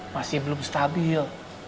masih belum stabil